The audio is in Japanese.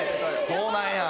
そうなんや。